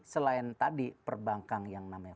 selain tadi perbankan yang namanya